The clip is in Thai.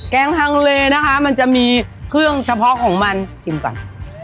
งทางเลนะคะมันจะมีเครื่องเฉพาะของมันชิมก่อน